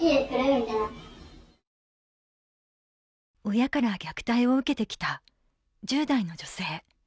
親から虐待を受けてきた１０代の女性。